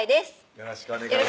よろしくお願いします